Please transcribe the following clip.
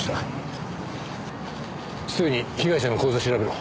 すぐに被害者の口座調べろ。